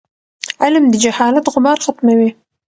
علم د جهالت غبار ختموي.